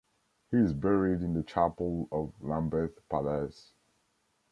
He is buried in the chapel of Lambeth Palace.